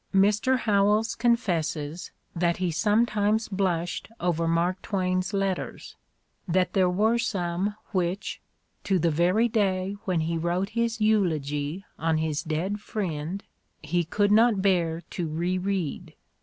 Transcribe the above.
Mr. Howells confesses that he sometimes blushed over Mark Twain's letters, that there were some which, to the very day when he wrote his eulogy on his dead friend, he could not bear to reread.